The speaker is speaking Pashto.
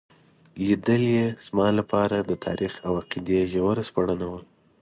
لیدل یې زما لپاره د تاریخ او عقیدې ژوره سپړنه وه.